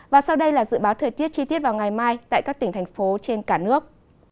và sau đây là dự báo thời tiết chi tiết vào ngày mai tại các tỉnh thành phố trên cả nước